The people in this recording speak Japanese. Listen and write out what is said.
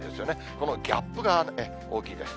このギャップが大きいです。